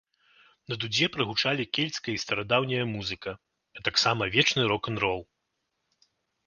На дудзе прагучалі кельцкая і старадаўняя музыка, а таксама вечны рок-н-рол.